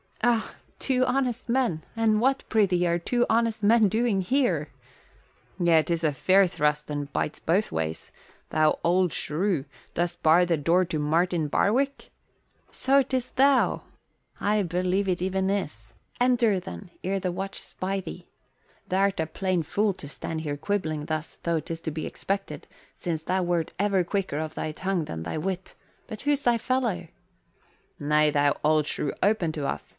"Ah, two honest men? And what, prithee, are two honest men doing here?" "Yea, 'tis a fair thrust and bites both ways! Thou old shrew, dost bar the door to Martin Barwick?" "So 'tis thou. I believe it even is. Enter then, ere the watch spy thee. Th' art a plain fool to stand here quibbling thus, though 'tis to be expected, since thou wert ever quicker of thy tongue than thy wit. But who's thy fellow?" "Nay, thou old shrew, open to us.